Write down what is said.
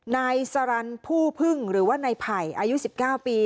นายสรรผู้พึ่งหรือว่านายไผ่อายุ๑๙ปี